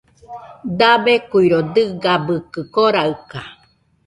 Dabeikuiro dɨgabɨkɨ koraɨka